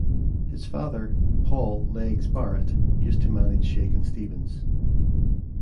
His father, Paul 'Legs' Barrett, used to manage Shakin' Stevens.